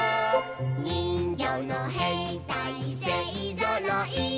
「にんぎょうのへいたいせいぞろい」